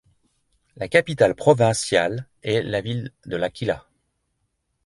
La capitale provinciale est la ville de L'Aquila.